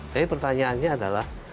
tapi pertanyaannya adalah